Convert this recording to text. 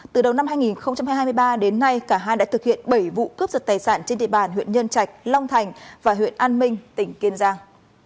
từ đầu năm hai nghìn hai mươi ba đến nay cả hai đã thực hiện bảy vụ cướp giật tài sản trên địa bàn huyện nhân trạch long thành và huyện an minh tỉnh kiên giang